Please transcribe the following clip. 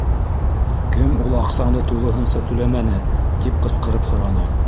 — Кем ул аҡсаңды тулыһынса түләмәне? — тип ҡысҡырып һораны.